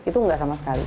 itu nggak sama sekali